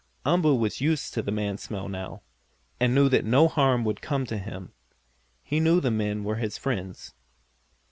Umboo was used to the man smell now, and knew that no harm would come to him. He knew the men were his friends.